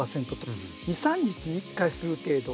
「２３日に１回する程度」